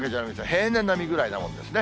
平年並みぐらいなもんですね。